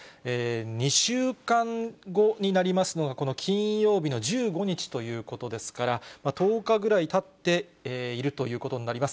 ２週間後になりますのが、この金曜日の１５日ということですから、１０日ぐらいたっているということになります。